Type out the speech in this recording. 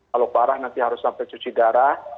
kalau parah nanti harus sampai cuci darah